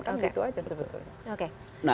kan gitu aja sebetulnya